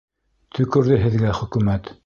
Төкөрҙө һеҙгә хөкүмәт!